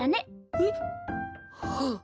えっ。はあ。